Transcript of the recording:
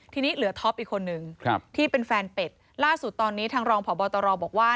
ทีนี้เหลือท็อปอีกคนนึงที่เป็นแฟนเป็ดล่าสุดตอนนี้ทางรองพบตรบอกว่า